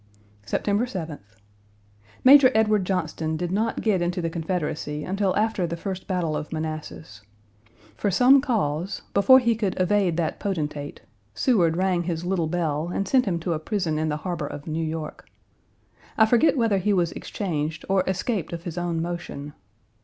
September 7th. Major Edward Johnston did not get into the Confederacy until after the first battle of Manassas. For some cause, before he could evade that potentate, Seward rang his little bell and sent him to a prison in the harbor of New York. I forget whether he was exchanged or escaped of his own motion.